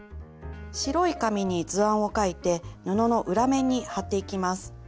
白い紙に図案を描いて布の裏面に貼っていきます。